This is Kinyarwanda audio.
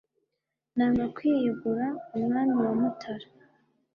nanga kwiyegura umwami wa mutara